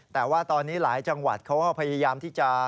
แต่ว่าตอนนี้หลายจังหวัดเขาก็พยายามที่จะ